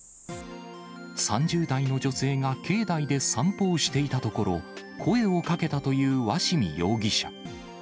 ３０代の女性が境内で散歩をしていたところ、声をかけたという鷲見容疑者。